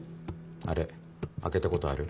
あれ開けたことある？